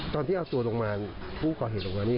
ตอนที่เอาตัวลงมาผู้ก่อเหตุลงมานี่